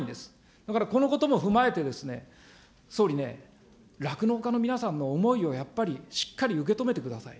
だからこのことも踏まえて、総理ね、酪農家の皆さんの思いをやっぱりしっかり受け止めてください。